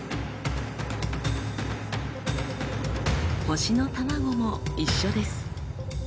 星のタマゴも一緒です。